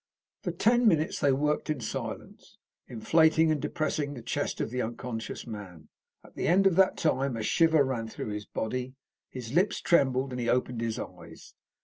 For ten minutes they worked in silence, inflating and depressing the chest of the unconscious man. At the end of that time a shiver ran through his body, his lips trembled, and he opened his eyes.